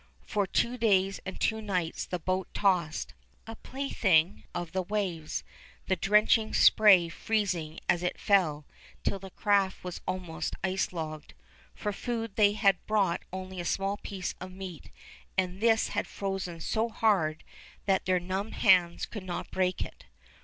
For two days and two nights the boat tossed, a plaything of the waves, the drenching spray freezing as it fell, till the craft was almost ice logged. For food they had brought only a small piece of meat, and this had frozen so hard that their numbed hands could not break it.